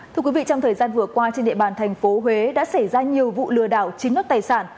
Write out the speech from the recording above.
thưa quý vị trong thời gian vừa qua trên địa bàn thành phố huế đã xảy ra nhiều vụ lừa đảo chiếm đất tài sản